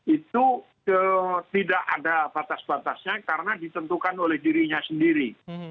itu tidak ada batas batasnya karena ditentukan oleh dirinya sendiri